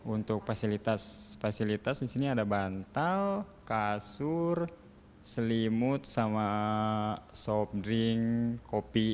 untuk fasilitas fasilitas di sini ada bantal kasur selimut sama soft drink kopi